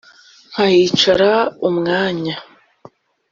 nkahicara umwanya.